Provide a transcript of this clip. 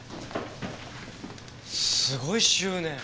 すごい執念。